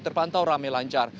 terpantau rame lancar